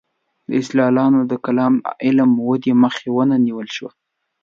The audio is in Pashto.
دا استدلالونه د کلام د علم ودې مخه ونه نیول شوه.